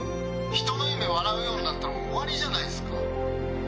「人の夢笑うようになったらもう終わりじゃないですか」